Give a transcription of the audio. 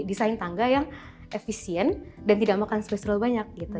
kita desain tangga yang efisien dan tidak makan space terlalu banyak gitu